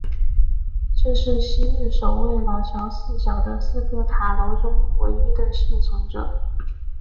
这是昔日守卫老桥四角的四个塔楼中唯一的幸存者。